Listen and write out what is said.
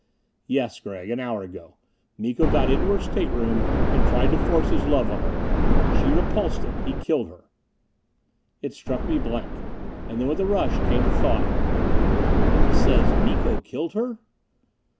"Yes, Gregg. An hour ago, Miko got into her stateroom and tried to force his love on her. She repulsed him he killed her." It struck me blank. And then with a rush came the thought, "He says Miko killed her...."